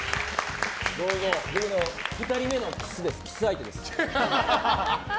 僕の２人目のキス相手です。